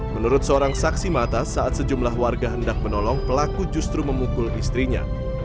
menurut seorang saksi mata saat sejumlah warga hendak menolong pelaku justru memukul istrinya